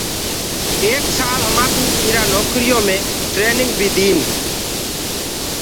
ايڪ سآل همآنٚ ڪوٚ اِرا نوڪريٚ يو مي ٽرينيٚنگ بيٚ ديٚن